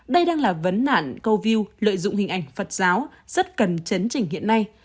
đây đang là vấn nạn câu view lợi dụng hình ảnh phật giáo rất cần chấn chỉnh hiện nay